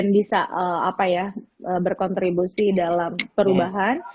kita pengen juga berkontribusi dalam perubahan